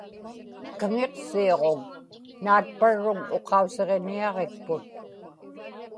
kaŋiqsiuġun naatparruŋ uqausiġiniaġikput